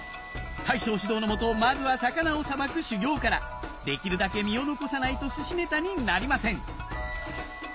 大将指導の下まずは魚をさばく修業からできるだけ身を残さないと寿司ネタになりません